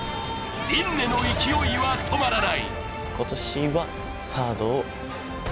琳寧の勢いは止まらない！